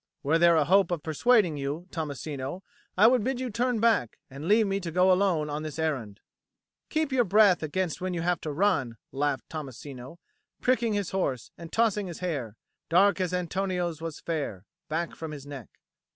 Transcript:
Were there a hope of persuading you, Tommasino, I would bid you turn back, and leave me to go alone on this errand." "Keep your breath against when you have to run," laughed Tommasino, pricking his horse and tossing his hair, dark as Antonio's was fair, back from his neck.